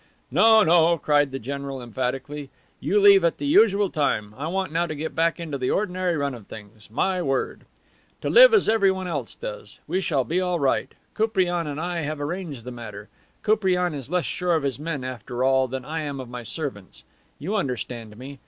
"No, no," cried the general emphatically. "You leave at the usual time. I want now to get back into the ordinary run of things, my word! To live as everyone else does. We shall be all right. Koupriane and I have arranged the matter. Koupriane is less sure of his men, after all, than I am of my servants. You understand me.